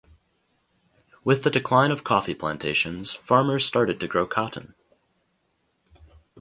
With the decline of coffee plantations, farmers started to grow cotton.